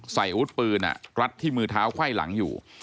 อาวุธปืนรัดที่มือเท้าไขว้หลังอยู่